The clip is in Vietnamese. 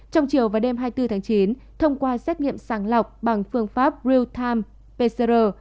trong chiều và đêm hai mươi bốn tháng chín thông qua xét nghiệm sàng lọc bằng phương pháp real time pcr